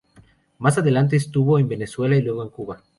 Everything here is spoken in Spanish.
Más adelante estuvo en Venezuela y luego en Cuba.